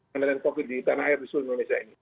pengendalian covid di tanah air di seluruh indonesia ini